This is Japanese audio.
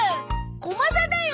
コマサだよ！